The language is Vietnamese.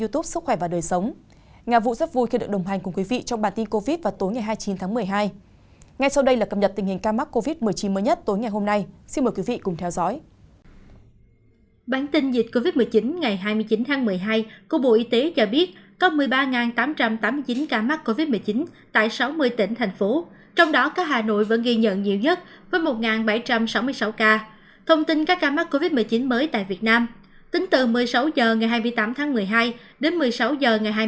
trên các ca mắc covid một mươi chín mới tại việt nam tính từ một mươi sáu h ngày hai mươi tám tháng một mươi hai đến một mươi sáu h ngày hai mươi chín tháng một mươi hai